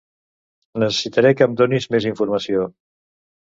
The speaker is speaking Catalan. Necessitaré que em donis més informació